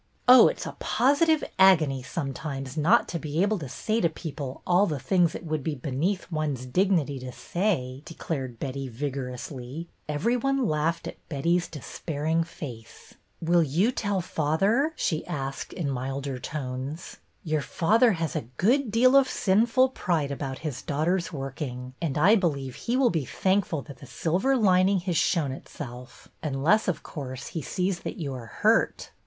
" Oh, it 's a positive agony sometimes not to be able to say to people all the things it would be ' beneath one's dignity ' to say," declared Betty, vigorously. Every one laughed at Betty's despairing face. 16 242 BETTY BAIRD'S VENTURES ''Will you tell father?" she asked, in milder tones. " Your father has a good deal of sinful pride about his daughter's working, and I believe he will be thankful that the silver lining has shown itself. Unless, of course, he sees that you are hurt."